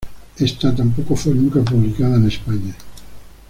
Esta tampoco fue nunca publicada en España.